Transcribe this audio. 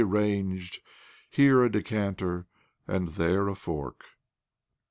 б2 OBLOMOV arranged, here a decanter and there a fork.